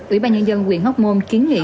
ủy ban nhân dân tp hcm kiến nghị